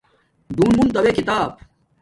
ڈون مُون تا بے کتاب